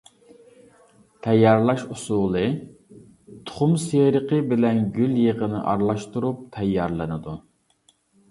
تەييارلاش ئۇسۇلى: تۇخۇم سېرىقى بىلەن گۈل يېغىنى ئارىلاشتۇرۇپ تەييارلىنىدۇ.